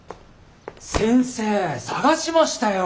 先生探しましたよ！